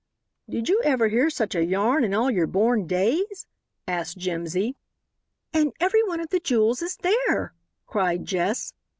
"Did you ever hear such a yarn in all your born days?" asked Jimsy. "And every one of the jewels is there," cried Jess.